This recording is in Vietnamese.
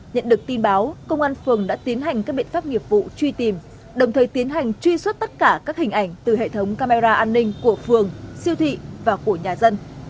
nhận được tin báo công an phường đã tiến hành các biện pháp nghiệp vụ truy tìm đồng thời tiến hành truy xuất tất cả các hình ảnh từ hệ thống camera an ninh của phường siêu thị và của nhà dân